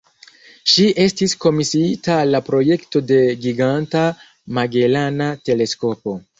Ŝi estis komisiita al la projekto de Giganta Magelana Teleskopo.